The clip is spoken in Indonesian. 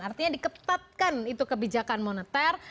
artinya diketatkan itu kebijakan moneter